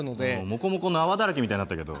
もこもこの泡だらけみたいになったけど。